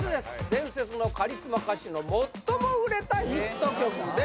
伝説のカリスマ歌手の最も売れたヒット曲です